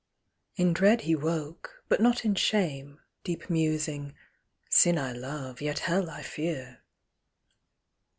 In dread he woke, but not in shame, Deep musing â " Sin I love, yet Hell I fear."